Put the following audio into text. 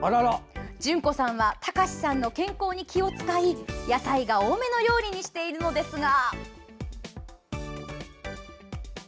淳子さんは隆志さんの健康に気を使い野菜が多めの料理にしているのですが。